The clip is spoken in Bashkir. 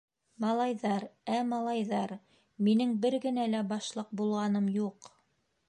- Малайҙар, ә, малайҙар, минең бер генә лә башлыҡ булғаным юҡ.